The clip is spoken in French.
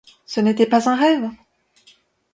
Ce n'était pas un rêve!